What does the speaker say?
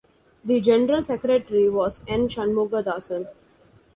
The general secretary was N. Shanmugathasan.